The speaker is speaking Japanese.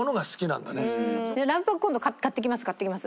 ラブパク今度買ってきます買ってきます。